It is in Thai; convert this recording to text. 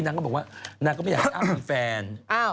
นางก็บอกว่าไม่อยากให้แอ๊บมีแฟน